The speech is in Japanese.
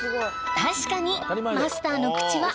確かにマスターの口は堅かった。